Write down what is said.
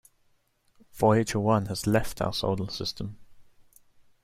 Voyager One has left our solar system.